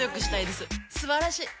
すばらしい！